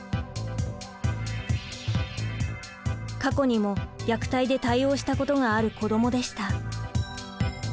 過去にも虐待で対応したことがある子どもでした。